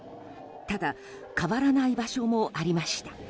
ただ、変わらない場所もありました。